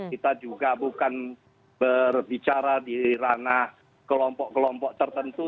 kita juga bukan berbicara di ranah kelompok kelompok tertentu